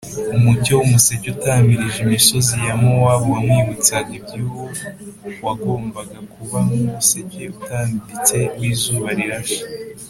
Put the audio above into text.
. Umucyo w’umuseke, utamirije imisozi ya Mowabu, wamwibutsaga iby’Uwo wagombaga kuba nk’ ‘‘umuseke utambitse w’izuba rirashe